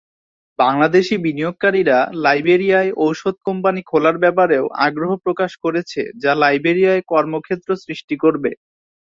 বাংলাদেশি বিনিয়োগকারীরা লাইবেরিয়ায় ঔষধ কোম্পানি খোলার ব্যাপারেও আগ্রহ প্রকাশ করেছে যা লাইবেরিয়ায় কর্মক্ষেত্র সৃষ্টি করবে।